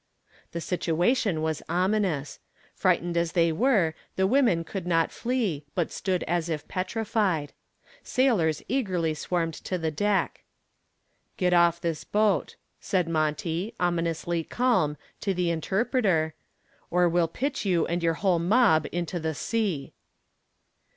The situation was ominous. Frightened as they were the women could not flee, but stood as if petrified. Sailors eagerly swarmed to the deck. "Get off this boat," said Monty, ominously calm, to the interpreter, "or we'll pitch you and your whole mob into the sea."